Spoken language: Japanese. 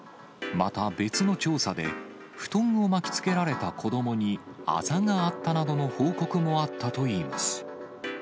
また別の調査で、布団を巻きつけられた子どもに、あざがあったなどの報告もあったといいます。